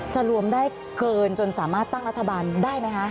รวมได้เกินจนสามารถตั้งรัฐบาลได้ไหมคะ